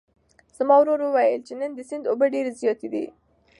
زما ورور وویل چې نن د سیند اوبه ډېرې زیاتې دي.